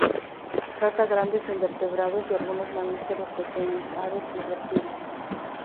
Caza grandes invertebrados y algunos mamíferos pequeños, aves y reptiles.